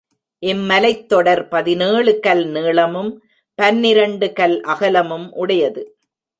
இம்மலைத் தொடர் பதினேழு கல் நீளமும் பன்னிரண்டு கல் அகலமும் உடையது.